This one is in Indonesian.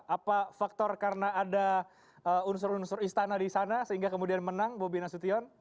apa faktor karena ada unsur unsur istana di sana sehingga kemudian menang bobi nasution